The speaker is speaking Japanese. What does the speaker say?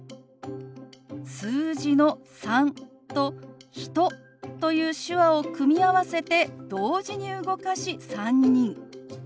数字の「３」と「人」という手話を組み合わせて同時に動かし「３人」。